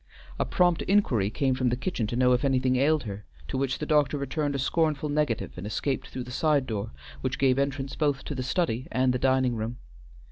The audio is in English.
A prompt inquiry came from the kitchen to know if anything ailed her, to which the doctor returned a scornful negative and escaped through the side door which gave entrance both to the study and the dining room.